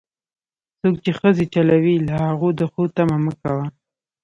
څوک چې ښځې چلوي، له هغو د ښو تمه مه کوه.